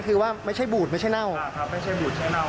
ครับไม่ใช่บูดไม่ใช่เน่าครับ